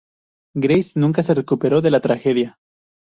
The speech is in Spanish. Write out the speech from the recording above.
Gracie nunca se recuperó de la tragedia.